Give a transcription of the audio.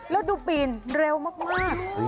ลดดูปีนเร็วมาก